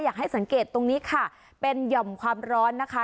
อยากให้สังเกตตรงนี้ค่ะเป็นหย่อมความร้อนนะคะ